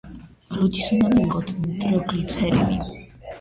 როდის უნდა მივიღოთ ნიტროგლიცერინი?